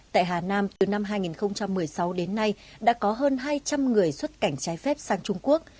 tại hà nam từ năm hai nghìn một mươi sáu đến nay đã có hơn hai trăm linh người xuất cảnh trái phép sang trung quốc